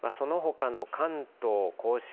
そのほかの関東甲信